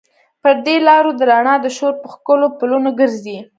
پر دې لارو د رڼا د شور، په ښکلو پلونو ګرزي